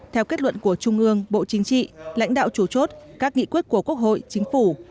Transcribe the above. theo kết luận của trung ương bộ chính trị lãnh đạo chủ chốt các nghị quyết của quốc hội chính phủ